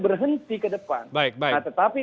berhenti ke depan tetapi